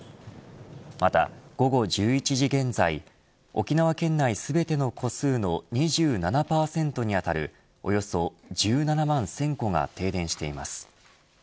また、午後１１時現在沖縄県内全ての戸数の２７％にあたるおよそ１７万１０００戸が停電しています。